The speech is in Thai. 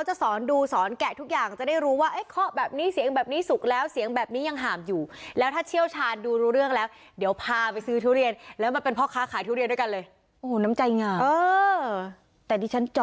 อันนั้นกว่ากว่าแล้ววันละกว่าหมด